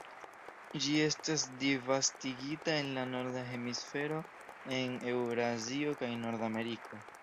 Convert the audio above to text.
Ĝi estas disvastigita en la Norda hemisfero en Eŭrazio kaj Nordameriko.